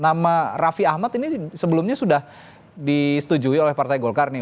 nama raffi ahmad ini sebelumnya sudah disetujui oleh partai golkar nih